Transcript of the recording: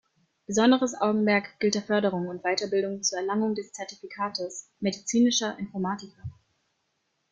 Besonderes Augenmerk gilt der Förderung und Weiterbildung zur Erlangung des Zertifikates "Medizinischer Informatiker".